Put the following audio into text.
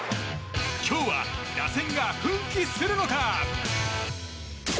今日は打線が奮起するのか？